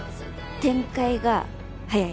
展開が早い。